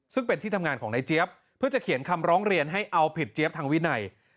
ซึ่งเป็นที่ทำงานของนายเจี๊ยบเพื่อจะเขียนคำร้องเรียนให้เอาผิดเจี๊ยบทางวินัย